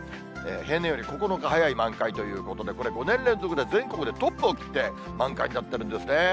平年より９日早い満開ということで、これ５年連続で全国でトップを切って、満開になってるんですね。